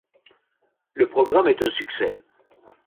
Le programme est un succès.